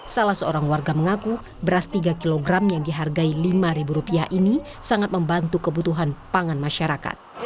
salah seorang warga mengaku beras tiga kg yang dihargai rp lima ini sangat membantu kebutuhan pangan masyarakat